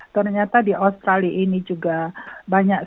ternyata di australia ini juga banyak